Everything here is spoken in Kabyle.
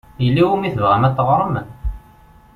Yella win i wumi tebɣam ad teɣṛem?